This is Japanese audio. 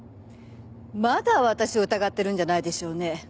まだ私を疑ってるんじゃないでしょうね？